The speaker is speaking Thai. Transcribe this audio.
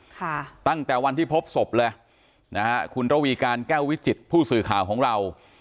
ตั้งแต่วันที่พบศพเลยนะฮะคุณระวีการแก้ววิจิตผู้สื่อข่าวของเรา